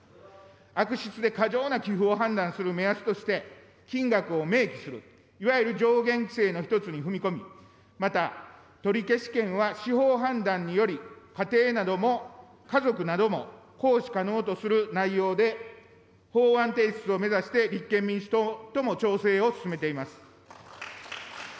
悪質で過剰な寄付を判断する目安として金額を明記する、いわゆる上限規制の一つに踏み込み、また、取消権は司法判断により、家庭なども、家族なども行使可能とする内容で、法案提出を目指して立憲民主党とも調整を進めています。